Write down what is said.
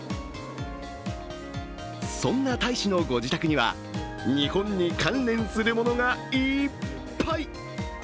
そんな大使のご自宅には日本に関連するものがいっぱい。